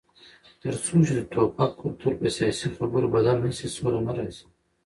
تر څو چې د ټوپک کلتور په سیاسي خبرو بدل نشي، سوله نه راځي.